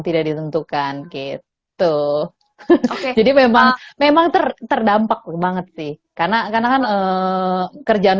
tidak ditentukan gitu oke jadi memang memang terdampak banget sih karena karena kan kerjaan